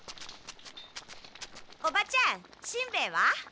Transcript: おばちゃんしんべヱは？